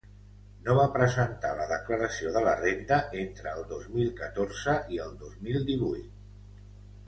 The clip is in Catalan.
No va presentar la declaració de la renda entre el dos mil catorze i el dos mil divuit.